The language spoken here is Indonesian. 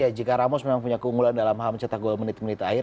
ya jika ramos memang punya keunggulan dalam hal mencetak gol menit menit akhir